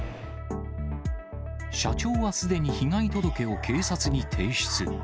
社長はすでに被害届を警察に提出。